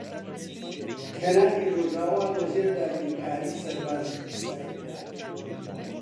کەناری ڕۆژاوا لەژێر داگیرکاریی سەربازیی ئیسرائیلە.